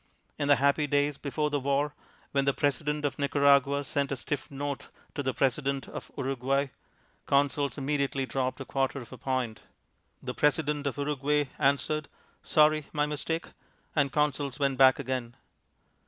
In the happy days before the war, when the President of Nicaragua sent a stiff note to the President of Uruguay, Consols immediately dropped a quarter of a point. The President of Uruguay answered, "Sorry, my mistake," and Consols went back again.